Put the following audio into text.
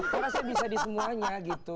karena saya bisa di semuanya gitu